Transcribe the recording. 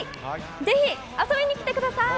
ぜひ遊びに来てください。